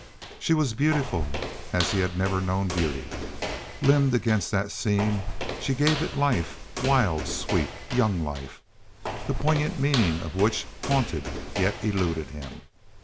She was beautiful as he had never known beauty. Limned against that scene, she gave it life wild, sweet, young life the poignant meaning of which haunted yet eluded him.